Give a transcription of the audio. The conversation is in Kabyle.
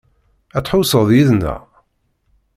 Ad tḥewwseḍ yid-neɣ?